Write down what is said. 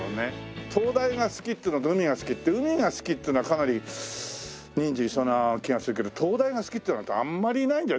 灯台が好きっていうのと海が好きって海が好きっていうのはかなり人数いそうな気がするけど灯台が好きっていう方あんまりいないんじゃ。